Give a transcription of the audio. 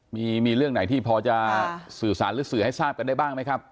มีเรื่องไหนที่พอจะสื่อสารหรือสื่อให้ทราบกันได้บ้างไหมครับ